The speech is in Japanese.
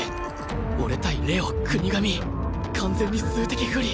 俺対玲王・國神完全に数的不利！